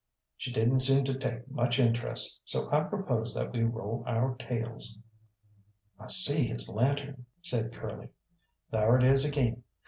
She didn't seem to take much interest, so I proposed that we roll our tails. "I see his lantern," said Curly; "thar it is agin.